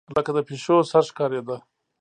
لکه د پيشو سر ښکارېدۀ